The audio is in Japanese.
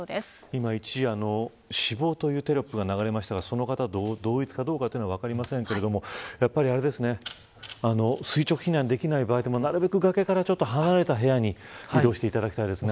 今、一時死亡というテロップが流れましたがその方と同一かどうか分かりませんが垂直避難できない場合なるべく崖から離れた部屋に移動していただきたいですね。